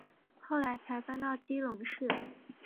后来才搬到基隆市。